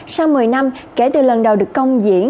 sau một mươi năm kể từ lần đầu được công diễn